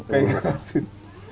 kayak kena asin